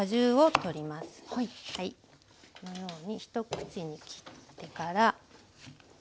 このように一口に切ってから。